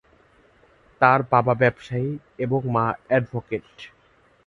তার বাবা ব্যবসায়ী এবং মা অ্যাডভোকেট।